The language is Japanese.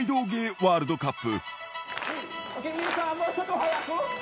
ワールドカップ。